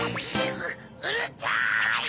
うるちゃい！